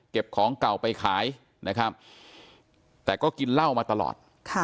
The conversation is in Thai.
ของเก่าไปขายนะครับแต่ก็กินเหล้ามาตลอด